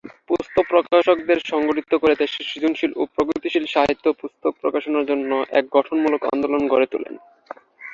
পুস্তক প্রকাশকদের সংগঠিত করে দেশে সৃজনশীল ও প্রগতিশীল সাহিত্য পুস্তক প্রকাশনার জন্য এক গঠনমূলক আন্দোলন গড়ে তোলেন।